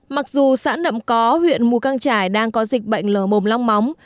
mặc dù sẵn đậm có huyện mù căng trải đang có dịch bệnh lở mồm long móng